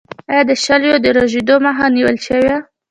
آیا د شالیو د رژیدو مخه نیولی شو؟